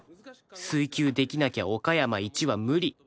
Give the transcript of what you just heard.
水球できなきゃ岡山一は無理